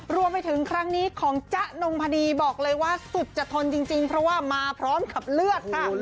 รวมไปถึงครั้งนี้ของจ๊ะนงพดีบอกเลยว่าสุดจะทนจริงเพราะว่ามาพร้อมกับเลือดค่ะ